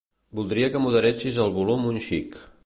Voldria que moderessis el volum un xic.